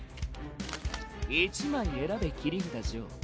１枚選べ切札ジョー。